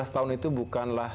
lima belas tahun itu bukanlah